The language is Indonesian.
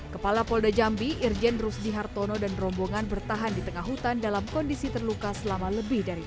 kepala polda jambi irjen rusdi hartono dan rombongan bertahan di tengah hutan dalam kondisi terluka selama lebih dari